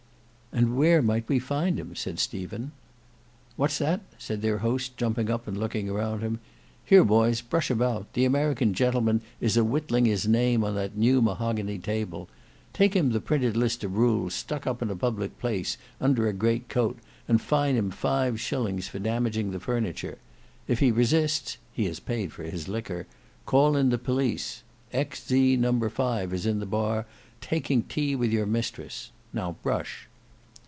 "And where might we find him?" said Stephen. "What's that?" said their host jumping up and looking around him. "Here boys, brush about. The American gentleman is a whittling his name on that new mahogany table. Take him the printed list of rules, stuck up in a public place, under a great coat, and fine him five shillings for damaging the furniture. If he resists (he has paid for his liquor), call in the police; X. Z. No. 5 is in the bar, taking tea with your mistress. Now brush."